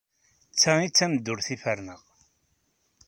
D ta ay d tameddurt ay ferneɣ.